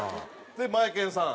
でマエケンさん